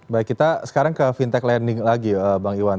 baik kita sekarang ke fintech lending lagi bang iwan